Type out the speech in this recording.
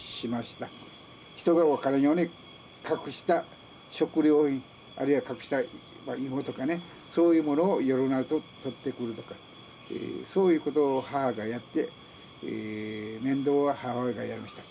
人が分からんように隠した食糧あるいは隠した芋とかねそういうものを夜になると取ってくるとかそういうことを母がやって面倒は母親がやりました。